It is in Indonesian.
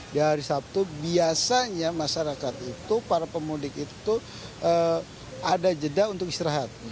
di hari sabtu biasanya masyarakat itu para pemudik itu ada jeda untuk istirahat